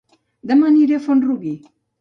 Dema aniré a Font-rubí